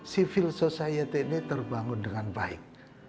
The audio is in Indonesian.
civil society ini terbangun dengan baik